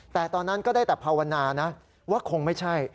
แต่ตอนนั้นก็ได้แต่ภาวนานะว่าคงไม่ใช่